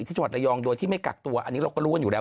จังหวัดระยองโดยที่ไม่กักตัวอันนี้เราก็รู้กันอยู่แล้ว